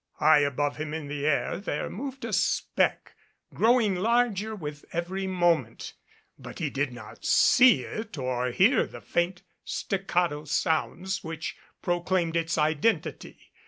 High above him in the air there moved a speck, grow ing larger with every moment, but he did not see it or hear the faint staccato sounds which proclaimed its iden tity.